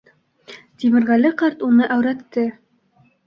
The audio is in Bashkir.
Тимерғәле ҡарт уны әүрәтте: